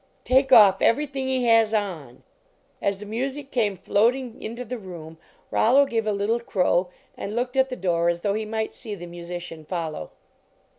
"Take off everything he has on!" As the music came floating into the room, Rollo gave a little crow, and looked at the door as though he might see the musician follow.